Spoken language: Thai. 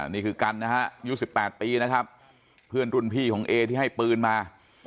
นี่คือกันนะฮะยุค๑๘ปีนะครับเพื่อนรุ่นพี่ของเอที่ให้ปืนมา